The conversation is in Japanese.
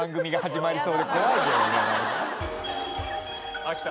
あっきた。